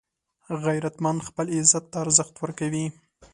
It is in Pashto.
غیرتمند خپل عزت ته ارزښت ورکوي